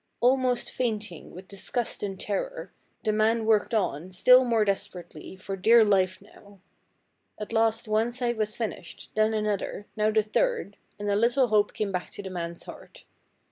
"Almost fainting with disgust and terror, the man worked on still more desperately, for dear life now. At last one side was finished, then another, now the third, and a little hope came back to the man's heart.